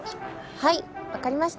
はい分かりました！